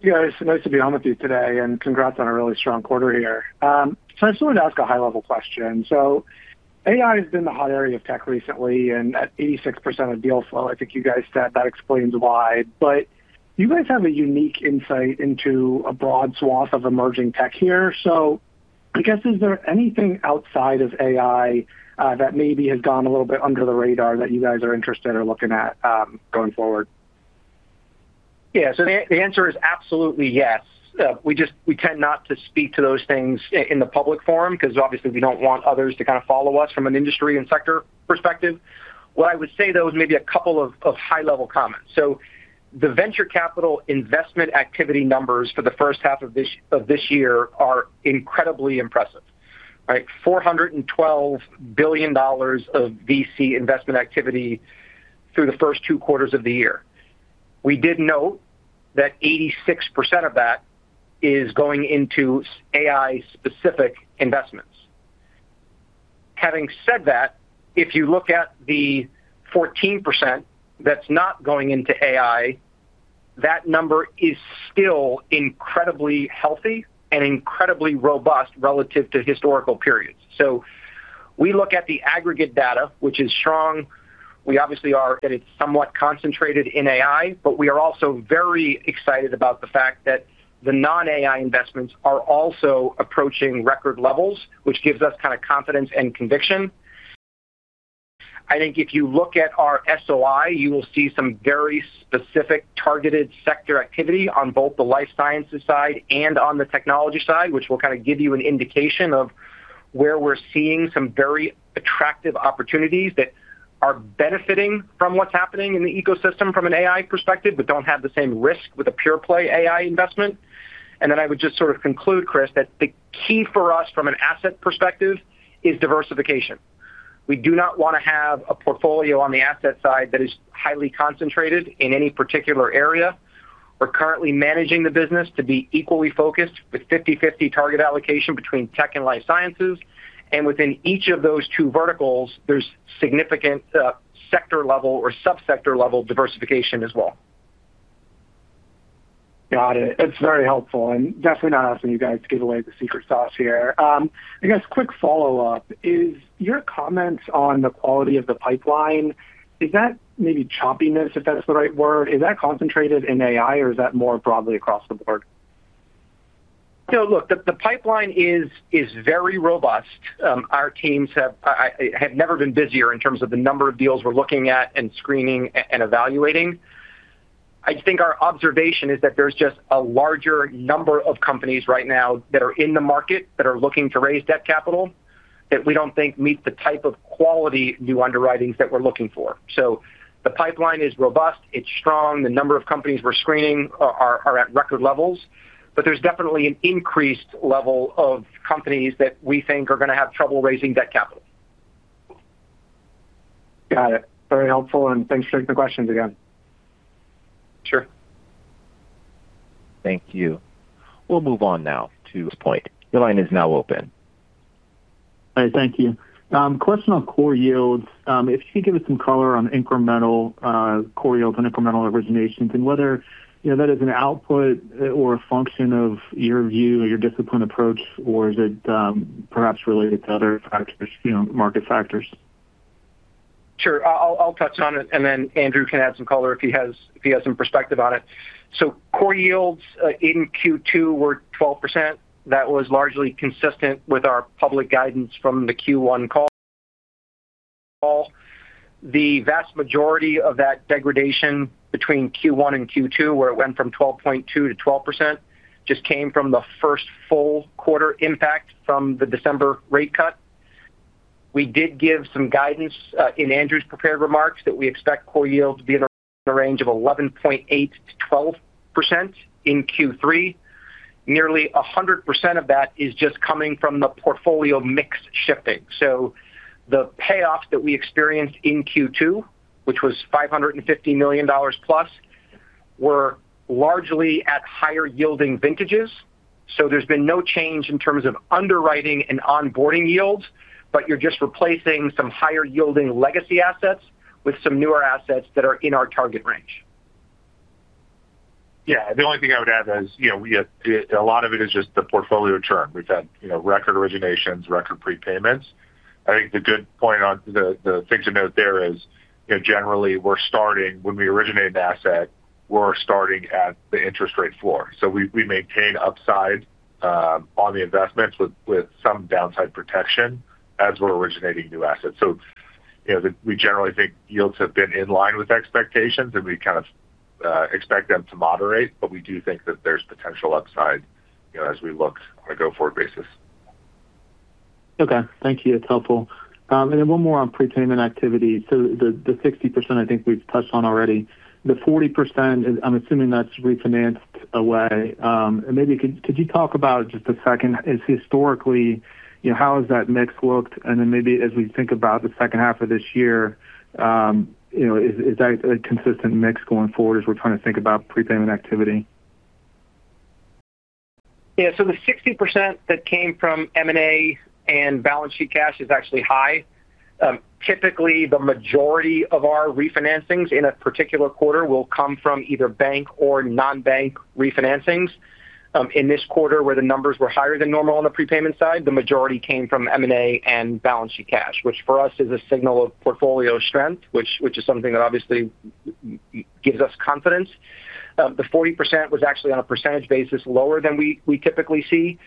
Hey, guys. Nice to be on with you today, and congrats on a really strong quarter here. I just wanted to ask a high-level question. AI has been the hot area of tech recently, and at 86% of deal flow, I think you guys said that explains why. You guys have a unique insight into a broad swath of emerging tech here. I guess, is there anything outside of AI that maybe has gone a little bit under the radar that you guys are interested or looking at going forward? Yeah. The answer is absolutely yes. We tend not to speak to those things in the public forum because obviously we don't want others to follow us from an industry and sector perspective. What I would say, though, is maybe a couple of high-level comments. The venture capital investment activity numbers for the first half of this year are incredibly impressive. Right? $412 billion of VC investment activity through the first two quarters of the year. We did note that 86% of that is going into AI-specific investments. Having said that, if you look at the 14% that's not going into AI, that number is still incredibly healthy and incredibly robust relative to historical periods. We look at the aggregate data, which is strong. We obviously are somewhat concentrated in AI, but we are also very excited about the fact that the non-AI investments are also approaching record levels, which gives us confidence and conviction. I think if you look at our SOI, you will see some very specific targeted sector activity on both the life sciences side and on the technology side, which will give you an indication of where we're seeing some very attractive opportunities that are benefiting from what's happening in the ecosystem from an AI perspective, but don't have the same risk with a pure play AI investment. I would just conclude, Chris, that the key for us from an asset perspective is diversification. We do not want to have a portfolio on the asset side that is highly concentrated in any particular area. We're currently managing the business to be equally focused with 50/50 target allocation between tech and life sciences. Within each of those two verticals, there's significant sector level or sub-sector level diversification as well. Got it. That's very helpful, definitely not asking you guys to give away the secret sauce here. I guess quick follow-up is your comments on the quality of the pipeline. Is that maybe choppiness, if that's the right word? Is that concentrated in AI or is that more broadly across the board? No, look, the pipeline is very robust. Our teams have never been busier in terms of the number of deals we're looking at and screening and evaluating. I think our observation is that there's just a larger number of companies right now that are in the market that are looking to raise debt capital that we don't think meet the type of quality new underwritings that we're looking for. The pipeline is robust, it's strong. The number of companies we're screening are at record levels, there's definitely an increased level of companies that we think are going to have trouble raising debt capital. Got it. Very helpful, thanks for the questions again. Sure. Thank you. We'll move on now to Point. Your line is now open. Hi. Thank you. Question on core yields. If you could give us some color on incremental core yields on incremental originations and whether that is an output or a function of your view or your disciplined approach, or is it perhaps related to other factors, market factors? Sure. I'll touch on it and then Andrew can add some color if he has some perspective on it. Core yields in Q2 were 12%. That was largely consistent with our public guidance from the Q1 call. The vast majority of that degradation between Q1 and Q2, where it went from 12.2% to 12%, just came from the first full quarter impact from the December rate cut. We did give some guidance in Andrew's prepared remarks that we expect core yields to be in the range of 11.8%-12% in Q3. Nearly 100% of that is just coming from the portfolio mix shifting. The payoffs that we experienced in Q2, which was $550 million+, were largely at higher yielding vintages. There's been no change in terms of underwriting and onboarding yields, but you're just replacing some higher yielding legacy assets with some newer assets that are in our target range. Yeah. The only thing I would add is a lot of it is just the portfolio churn. We've had record originations, record prepayments. I think the good thing to note there is generally, when we originate an asset, we're starting at the interest rate floor. We maintain upside on the investments with some downside protection as we're originating new assets. We generally think yields have been in line with expectations, and we kind of expect them to moderate. We do think that there's potential upside as we look on a go-forward basis. Okay. Thank you. It's helpful. One more on prepayment activity. The 60%, I think we've touched on already. The 40%, I'm assuming that's refinanced away. Maybe could you talk about it just a second, historically, how has that mix looked? Maybe as we think about the second half of this year, is that a consistent mix going forward as we're trying to think about prepayment activity? Yeah. The 60% that came from M&A and balance sheet cash is actually high. Typically, the majority of our refinancings in a particular quarter will come from either bank or non-bank refinancings. In this quarter, where the numbers were higher than normal on the prepayment side, the majority came from M&A and balance sheet cash, which for us is a signal of portfolio strength, which is something that obviously gives us confidence. The 40% was actually on a percentage basis lower than we typically see.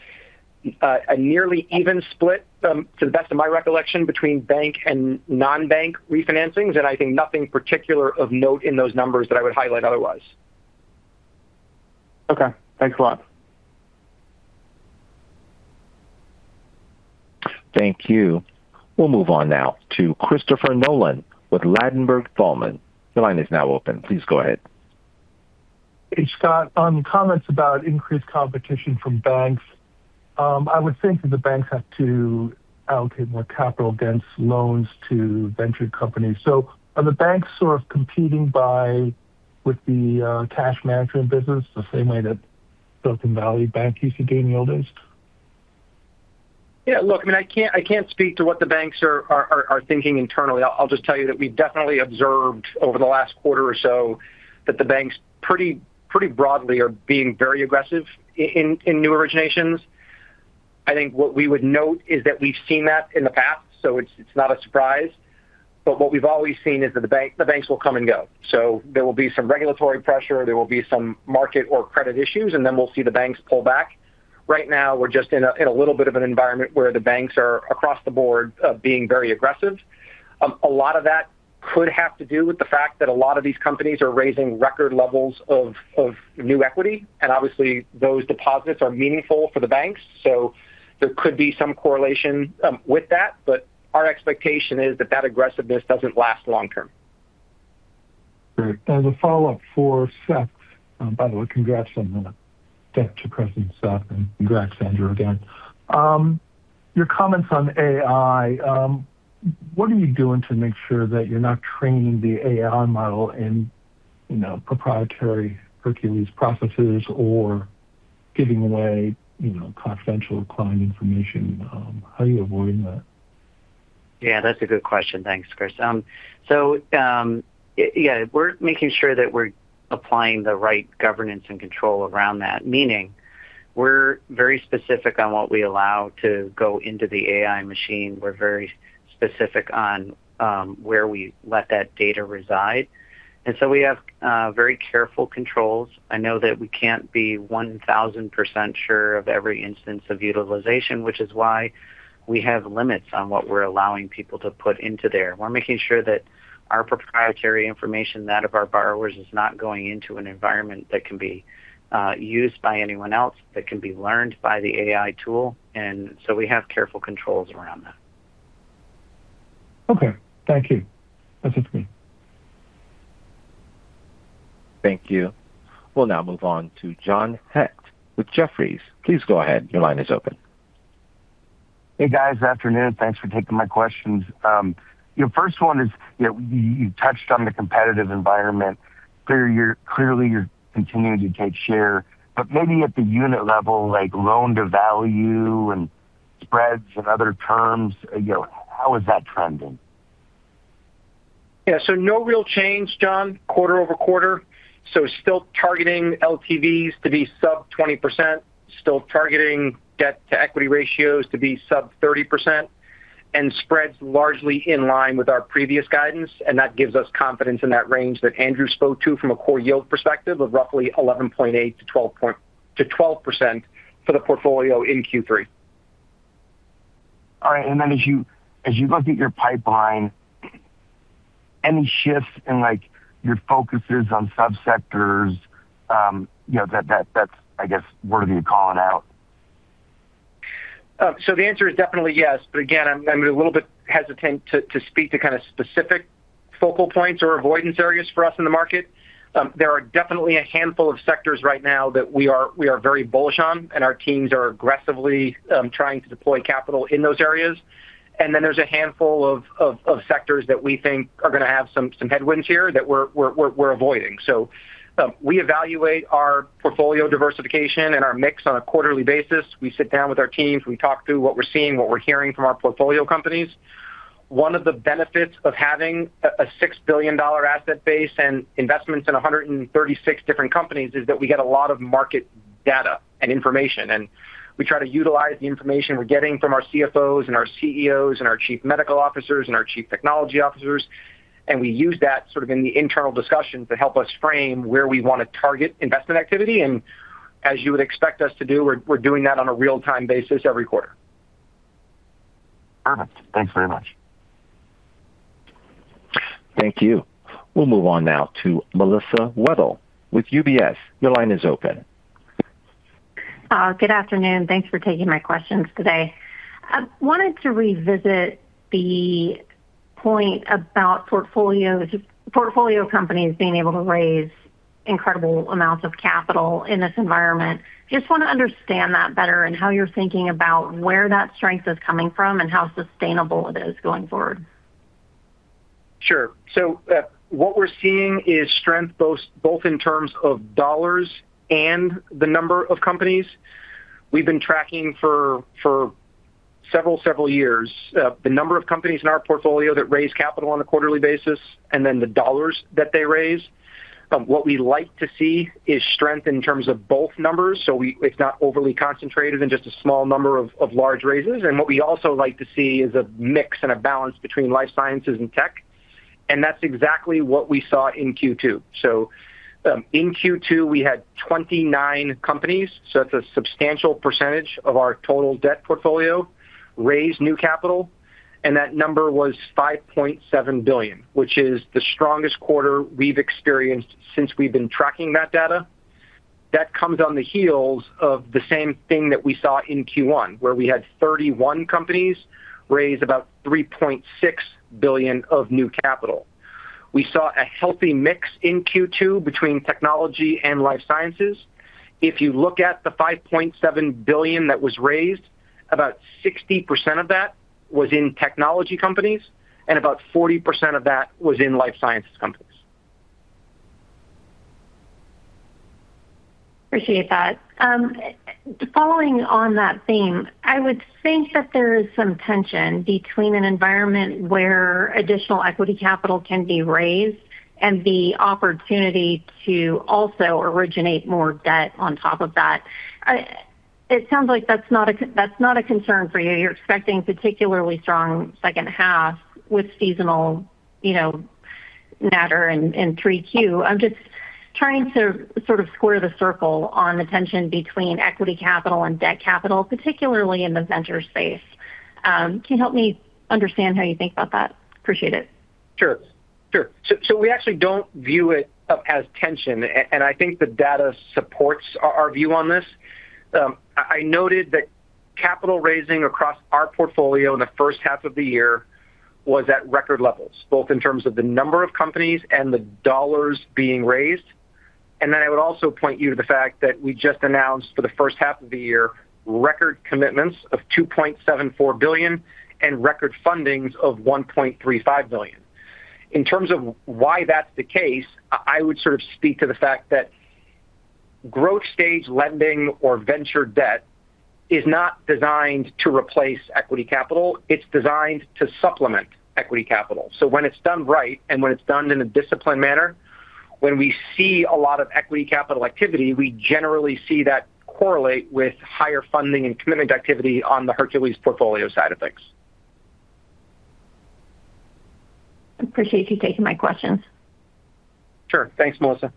A nearly even split, to the best of my recollection, between bank and non-bank refinancings, I think nothing particular of note in those numbers that I would highlight otherwise. Okay. Thanks a lot. Thank you. We'll move on now to Christopher Nolan with Ladenburg Thalmann. Your line is now open. Please go ahead. Hey, Scott. On comments about increased competition from banks, I would think that the banks have to allocate more capital against loans to ventured companies. Are the banks sort of competing with the cash management business the same way that Silicon Valley Bank used to gain yields? Look, I can't speak to what the banks are thinking internally. I'll just tell you that we've definitely observed over the last quarter or so that the banks pretty broadly are being very aggressive in new originations. I think what we would note is that we've seen that in the past, it's not a surprise. What we've always seen is that the banks will come and go. There will be some regulatory pressure, there will be some market or credit issues, then we'll see the banks pull back. Right now, we're just in a little bit of an environment where the banks are across the board being very aggressive. A lot of that could have to do with the fact that a lot of these companies are raising record levels of new equity, and obviously those deposits are meaningful for the banks. There could be some correlation with that. Our expectation is that that aggressiveness doesn't last long term. Great. As a follow-up for Seth, by the way, congrats on the debt to pricing stuff, and congrats, Andrew, again. Your comments on AI, what are you doing to make sure that you're not training the AI model in proprietary Hercules processes or giving away confidential client information? How are you avoiding that? Yeah, that's a good question. Thanks, Chris. Yeah, we're making sure that we're applying the right governance and control around that, meaning we're very specific on what we allow to go into the AI machine. We're very specific on where we let that data reside. So we have very careful controls. I know that we can't be 1,000% sure of every instance of utilization, which is why we have limits on what we're allowing people to put into there. We're making sure that our proprietary information, that of our borrowers, is not going into an environment that can be used by anyone else, that can be learned by the AI tool. So we have careful controls around that. Okay. Thank you. That's it for me. Thank you. We'll now move on to John Hecht with Jefferies. Please go ahead. Your line is open. Hey, guys. Afternoon. Thanks for taking my questions. First one is, you touched on the competitive environment. Clearly you're continuing to take share, but maybe at the unit level, like loan-to-value and spreads and other terms, how is that trending? Yeah. No real change, John, quarter-over-quarter. Still targeting LTVs to be sub 20%, still targeting debt-to-equity ratios to be sub 30%, and spreads largely in line with our previous guidance, and that gives us confidence in that range that Andrew spoke to from a core yield perspective of roughly 11.8%-12% for the portfolio in Q3. All right. As you look at your pipeline, any shifts in your focuses on sub-sectors that's, I guess, worthy of calling out? The answer is definitely yes. Again, I'm a little bit hesitant to speak to kind of specific focal points or avoidance areas for us in the market. There are definitely a handful of sectors right now that we are very bullish on, and our teams are aggressively trying to deploy capital in those areas. There's a handful of sectors that we think are going to have some headwinds here that we're avoiding. We evaluate our portfolio diversification and our mix on a quarterly basis. We sit down with our teams. We talk through what we're seeing, what we're hearing from our portfolio companies. One of the benefits of having a $6 billion asset base and investments in 136 different companies is that we get a lot of market data and information. We try to utilize the information we're getting from our CFOs and our CEOs and our chief medical officers and our chief technology officers. We use that sort of in the internal discussions to help us frame where we want to target investment activity. As you would expect us to do, we're doing that on a real-time basis every quarter. Perfect. Thanks very much. Thank you. We'll move on now to Melissa Weddle with UBS. Your line is open. Good afternoon. Thanks for taking my questions today. I wanted to revisit the point about portfolio companies being able to raise incredible amounts of capital in this environment. Just want to understand that better and how you're thinking about where that strength is coming from and how sustainable it is going forward. Sure. What we're seeing is strength both in terms of dollars and the number of companies. We've been tracking for several years the number of companies in our portfolio that raise capital on a quarterly basis, and then the dollars that they raise. What we like to see is strength in terms of both numbers, so it's not overly concentrated in just a small number of large raises. What we also like to see is a mix and a balance between life sciences and tech, and that's exactly what we saw in Q2. In Q2, we had 29 companies, so that's a substantial percentage of our total debt portfolio, raise new capital, and that number was $5.7 billion, which is the strongest quarter we've experienced since we've been tracking that data. That comes on the heels of the same thing that we saw in Q1, where we had 31 companies raise about $3.6 billion of new capital. We saw a healthy mix in Q2 between technology and life sciences. If you look at the $5.7 billion that was raised, about 60% of that was in technology companies, and about 40% of that was in life sciences companies. Appreciate that. Following on that theme, I would think that there is some tension between an environment where additional equity capital can be raised and the opportunity to also originate more debt on top of that. It sounds like that's not a concern for you. You're expecting particularly strong second half with seasonal matter in 3Q. I'm just trying to sort of square the circle on the tension between equity capital and debt capital, particularly in the venture space. Can you help me understand how you think about that? Appreciate it. Sure. We actually don't view it as tension, and I think the data supports our view on this. I noted that capital raising across our portfolio in the first half of the year was at record levels, both in terms of the number of companies and the dollars being raised. I would also point you to the fact that we just announced, for the first half of the year, record commitments of $2.74 billion and record fundings of $1.35 billion. In terms of why that's the case, I would sort of speak to the fact that growth stage lending or venture debt is not designed to replace equity capital, it's designed to supplement equity capital. When it's done right and when it's done in a disciplined manner, when we see a lot of equity capital activity, we generally see that correlate with higher funding and commitment activity on the Hercules portfolio side of things. I appreciate you taking my questions. Sure. Thanks, Melissa.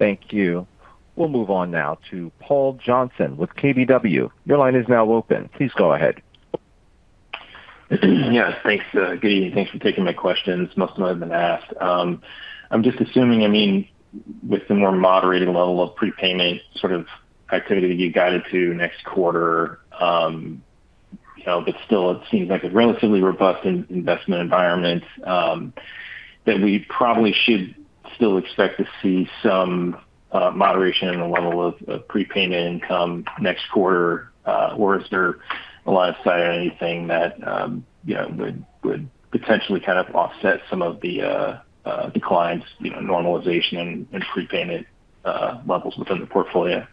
Thank you. We'll move on now to Paul Johnson with KBW. Your line is now open. Please go ahead. Yeah. Thanks. Good evening. Thanks for taking my questions. Most of them have been asked. I'm just assuming with the more moderated level of prepayment sort of activity that you guided to next quarter, but still it seems like a relatively robust investment environment, that we probably should still expect to see some moderation in the level of prepayment income next quarter. Or is there a lot of sight or anything that would potentially kind of offset some of the declines, normalization in prepayment levels within the portfolio?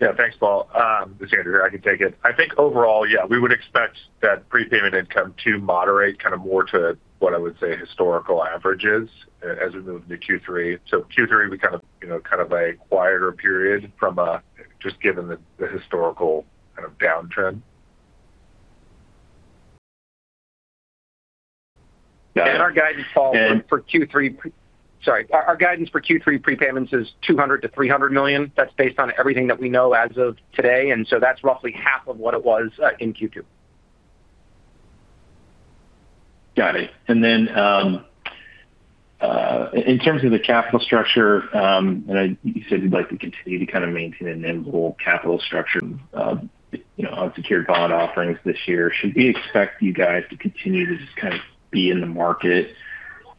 Yeah. Thanks, Paul. This is Andrew here. I can take it. I think overall, yeah, we would expect that prepayment income to moderate kind of more to what I would say historical averages as we move into Q3. Q3 will be kind of a quieter period from just given the historical kind of downtrend. Our guidance, Paul- And- Our guidance for Q3 prepayments is $200 million-$300 million. That's based on everything that we know as of today, that's roughly half of what it was in Q2. Got it. In terms of the capital structure, you said you'd like to continue to kind of maintain a nimble capital structure of secured bond offerings this year. Should we expect you guys to continue to just kind of be in the market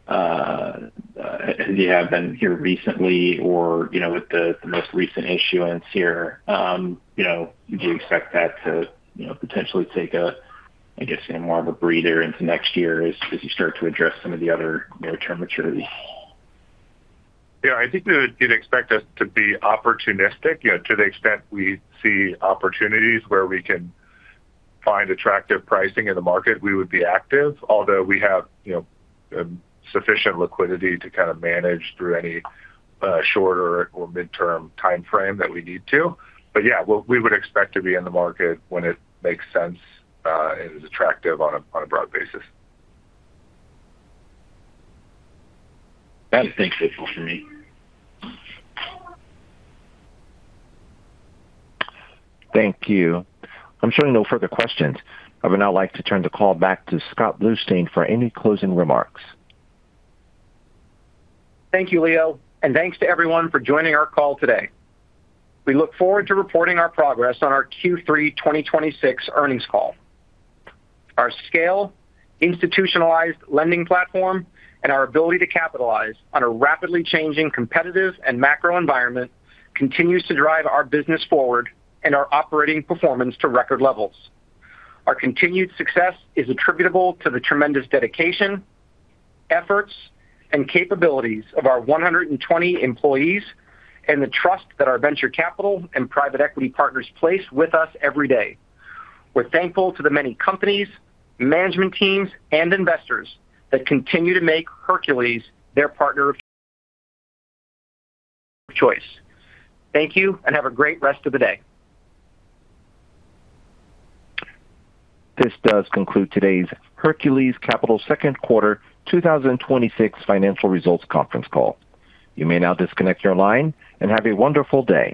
as you have been here recently or with the most recent issuance here? Do you expect that to potentially take a, I guess, more of a breather into next year as you start to address some of the other near-term maturities? Yeah, I think you'd expect us to be opportunistic. To the extent we see opportunities where we can find attractive pricing in the market, we would be active. Although we have sufficient liquidity to kind of manage through any shorter or midterm timeframe that we need to. Yeah, we would expect to be in the market when it makes sense and is attractive on a broad basis. That's it. Thanks. That's all for me. Thank you. I'm showing no further questions. I would now like to turn the call back to Scott Bluestein for any closing remarks. Thank you, Leo, and thanks to everyone for joining our call today. We look forward to reporting our progress on our Q3 2026 earnings call. Our scale, institutionalized lending platform, and our ability to capitalize on a rapidly changing competitive and macro environment continues to drive our business forward and our operating performance to record levels. Our continued success is attributable to the tremendous dedication, efforts, and capabilities of our 120 employees and the trust that our venture capital and private equity partners place with us every day. We're thankful to the many companies, management teams, and investors that continue to make Hercules their partner of choice. Thank you, and have a great rest of the day. This does conclude today's Hercules Capital second quarter 2026 financial results conference call. You may now disconnect your line, and have a wonderful day.